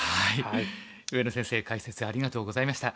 上野先生解説ありがとうございました。